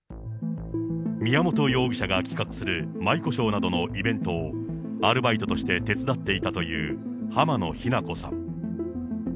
宮本容疑者が企画する舞妓ショーなどのイベントを、アルバイトとして手伝っていたという浜野日菜子さん。